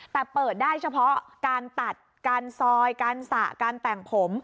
แต่เปิดได้เฉพาะการตัดการซอยการสระการแต่งผม